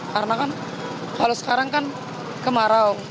karena kan kalau sekarang kan kemarau